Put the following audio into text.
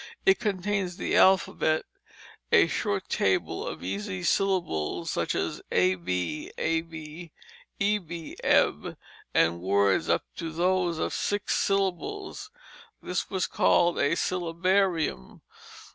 It contains the alphabet, and a short table of easy syllables, such as a b ab, e b eb, and words up to those of six syllables. This was called a syllabarium.